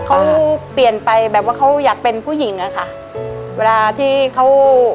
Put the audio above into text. เขาเปลี่ยนไปแบบว่าเขาอยากเป็นผู้หญิงอะค่ะเวลาที่เขา